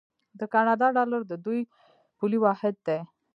د کاناډا ډالر د دوی پولي واحد دی.